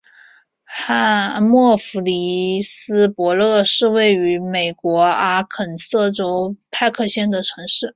默弗里斯伯勒是一个位于美国阿肯色州派克县的城市。